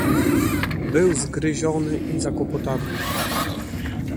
"Był zgryziony i zakłopotany."